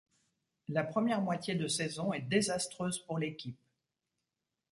La première moitié de saison est désastreuse pour l'équipe.